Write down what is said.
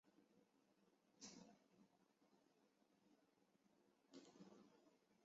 苏一晋从小能歌善舞对韩国音乐及舞蹈有浓厚的兴趣。